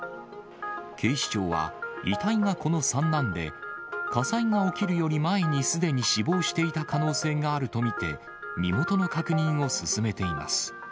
警視庁は、遺体がこの三男で、火災が起きるより前に、すでに死亡していた可能性があると見て、身元の確認を進めています。